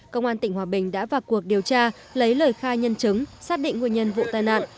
công an tỉnh hòa bình đã vào cuộc điều tra lấy lời khai nhân chứng xác định nguyên nhân vụ tai nạn